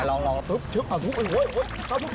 ลองเข้าทุกต่อเข้าทุกต่อเข้าทุกต่อ